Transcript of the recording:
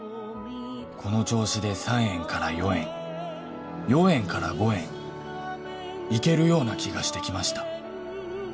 「この調子で３円から４円」「４円から５円」「いけるような気がしてきました」